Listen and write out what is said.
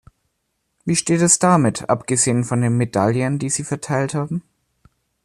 Wie steht es damit, abgesehen von den Medaillen, die Sie verteilt haben?